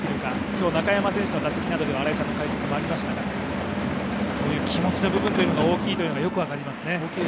今日、中山選手の打席などでは新井さんの解説もありましたが、そういう気持ちの部分が大きいというのがよく分かりますね。